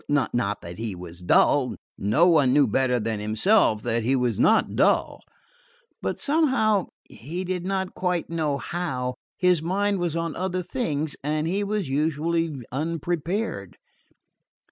Not that he was dull. No one knew better than himself that he was not dull. But somehow he did not quite know how his mind was on other things and he was usually unprepared.